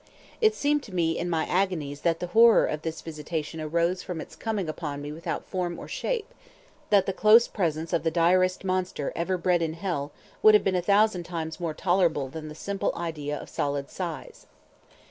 It seemed to me in my agonies that the horror of this visitation arose from its coming upon me without form or shape, that the close presence of the direst monster ever bred in hell would have been a thousand times more tolerable than that simple idea of solid size.